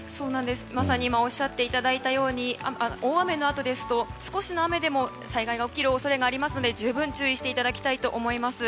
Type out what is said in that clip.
まさに今おっしゃっていただいたように大雨のあとですと少しの雨でも災害が起きる可能性があるので十分注意していただきたいと思います。